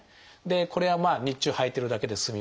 これはまあ日中はいてるだけで済みます。